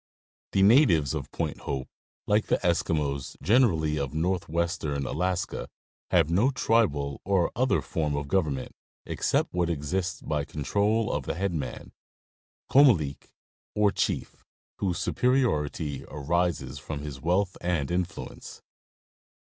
The natives of Point Hope, like the Eskimos generally of north western Alaska, have no tribal or other form of government except what exists by control of the head man, oomalik, or chief, whose superiority arises from his wealth and influence.